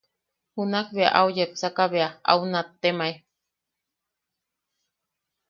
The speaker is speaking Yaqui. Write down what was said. Junak bea au yepsaka bea, au nattemae: